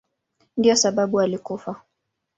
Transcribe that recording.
Ndiyo sababu alikufa.